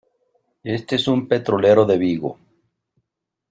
este es un petrolero de Vigo.